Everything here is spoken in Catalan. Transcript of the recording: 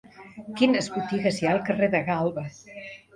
Quines botigues hi ha al carrer de Galba?